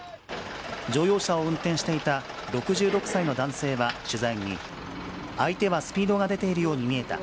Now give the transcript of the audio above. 乗用車を運転していた６６歳の男性は取材に、相手はスピードが出ているように見えた。